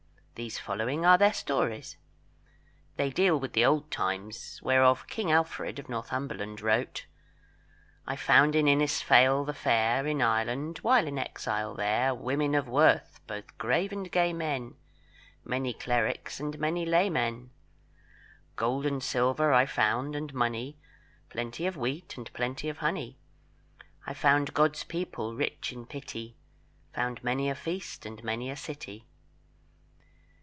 These following are their stories. They deal with the old times, whereof King Alfred of Northumberland wrote "I found in Innisfail the fair, In Ireland, while in exile there, Women of worth, both grave and gay men, Many clericks and many laymen. Gold and silver I found, and money, Plenty of wheat, and plenty of honey; I found God's people rich in pity, Found many a feast, and many a city."